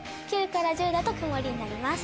９から１０だとくもりになります。